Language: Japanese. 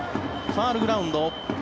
ファウルグラウンド。